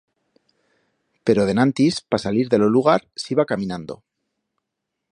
Pero denantis, pa salir de lo lugar s'iba caminando.